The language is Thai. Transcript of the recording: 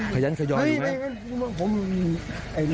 พยันสยอยอยู่แล้ว